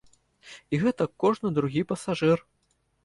І гэтак кожны другі пасажыр.